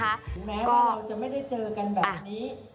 ถึงแม้ว่าเราจะไม่ได้เจอกันแบบนี้